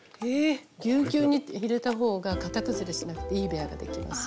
ギュ−ギューに入れたほうが型崩れしなくていいベアができます。